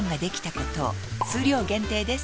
数量限定です